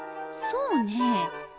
そうねえ。